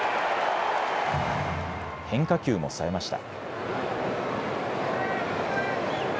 変化球もさえました。